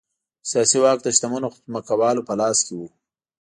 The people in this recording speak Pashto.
سیاسي واک د شتمنو ځمکوالو په لاس کې و.